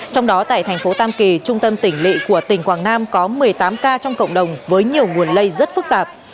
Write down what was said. trong đó tại thành phố tam kỳ trung tâm tỉnh lị của tỉnh quảng nam có một mươi tám ca trong cộng đồng với nhiều nguồn lây rất phức tạp